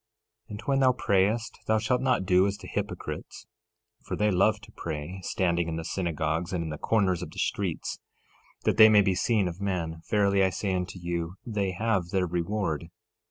13:5 And when thou prayest thou shalt not do as the hypocrites, for they love to pray, standing in the synagogues and in the corners of the streets, that they may be seen of men. Verily I say unto you, they have their reward.